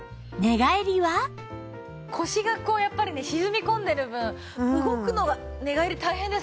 腰がやっぱりね沈み込んでる分動くのは寝返り大変ですね。